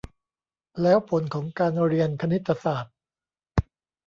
แล้วผลของการเรียนคณิตศาสตร์